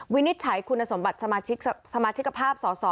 วินิจฉัยคุณสมบัติสมาชิกภาพสอสอ